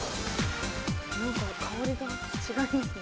何か香りが違いますね。